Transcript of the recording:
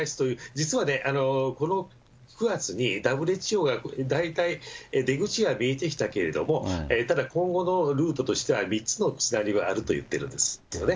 実はね、この９月に、ＷＨＯが大体出口は見えてきたけれども、ただ、今後のルートとしては、３つのシナリオがあると言ってるんですよね。